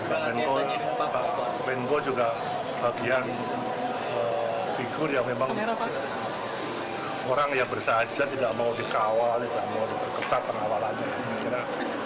pak menko juga bagian figur yang memang orang yang bersajar tidak mau dikawal tidak mau diketat pengawalannya